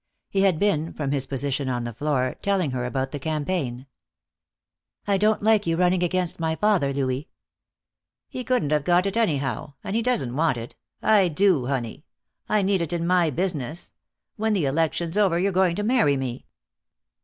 He had been, from his position on the floor, telling her about the campaign. "I don't like your running against my father, Louis." "He couldn't have got it, anyhow. And he doesn't want it. I do, honey. I need it in my business. When the election's over you're going to marry me."